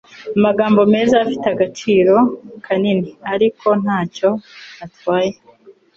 Amagambo meza afite agaciro kanini, ariko ntacyo atwaye.